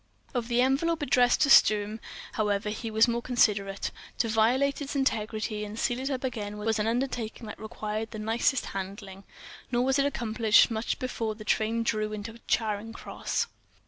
Of the envelope addressed to Sturm, however, he was more considerate; to violate its integrity and seal it up again was an undertaking that required the nicest handling. Nor was it accomplished much before the train drew into Charing Cross.